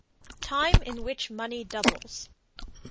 TIME IN WHICH MONEY DOUBLES.